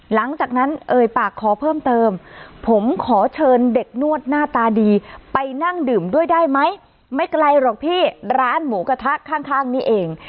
หลังจากนั้นเอ่ยปากขอเพิ่มเติมผมขอเชิญเด็กนวดหน้าตาดีไปนั่งดื่มด้วยได้ไหมไม่ไกลหรอกพี่ร้านหมูกระทะข้างนี่เอง